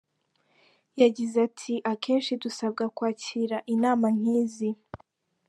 Yagize ati “ Akenshi dusabwa kwakira inama nk’izi.